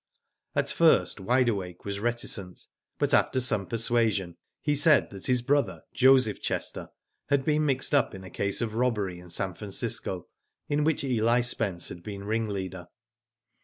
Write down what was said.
At first Wide Awake was reticent, but after some persuasion he said that his brother, Joseph Chester, had been mixed up in a case of robbery in San Francisco, in which Eli Spence had been ringleader.